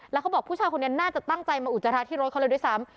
แล้วเขาบอกผู้ชายคนนี้น่าจะตั้งใจมาอุจจาระที่รถเขาเลยด้วยซ้ำ